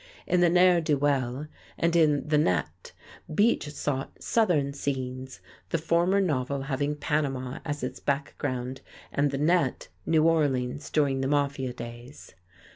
In "The Ne'er Do Well" and in "The Net" Beach sought Southern scenes, the former novel having Panama as its background, and "The Net" New Orleans during the Mafia days.